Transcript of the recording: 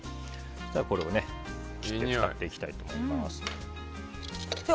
これを使っていきたいと思います。